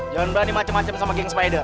jangan berani macem macem sama geng spider